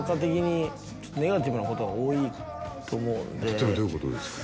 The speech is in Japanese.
例えばどういうことですか？